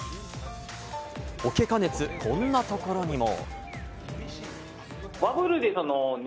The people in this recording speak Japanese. ポケカ熱、こんなところにも。